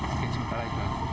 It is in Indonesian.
oke sementara itu